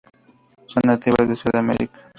Son nativas de Sudamerica.